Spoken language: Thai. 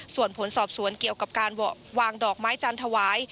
ส่วนผลสอบสวนเกี่ยวกับการวางดอกไม้จันทร์ถวาย